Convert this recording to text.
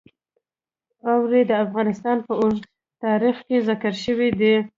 اوړي د افغانستان په اوږده تاریخ کې ذکر شوی دی.